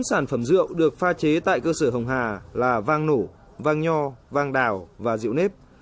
sản phẩm rượu được pha chế tại cơ sở hồng hà là vang nổ vang nho vàng đào và rượu nếp